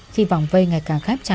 khi vòng vây ngày càng khép chặt